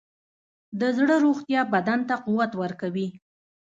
د زړه روغتیا بدن ته قوت ورکوي.